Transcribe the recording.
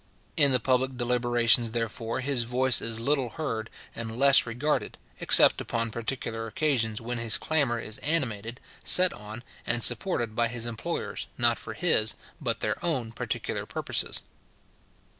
In the public deliberations, therefore, his voice is little heard, and less regarded; except upon particular occasions, when his clamour is animated, set on, and supported by his employers, not for his, but their own particular purposes.